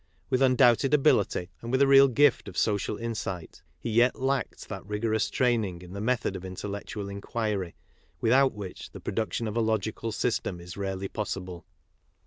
With undoubted ability and with a real gift of social insight, he yet lacked that rigorous training in the method of intellectual inquiry without which the pro duction of a logical system is rarely possible.